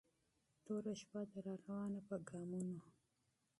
توره شپه ده را روانه په ګامونو